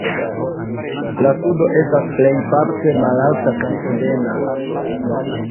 La sudo estas plejparte malalta kaj ebena.